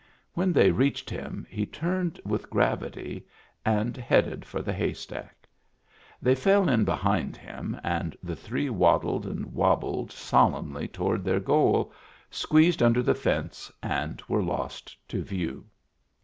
When they reached him he turned with gravity and headed for the hay stack. They fell in behind him and the three waddled and wobbled solemnly toward their goal, squeezed under the fence and were lost to view.